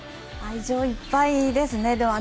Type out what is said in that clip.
愛情いっぱいですね。